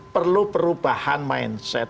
perlu perubahan mindset